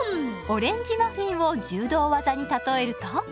オレンジマフィンを柔道技に例えると？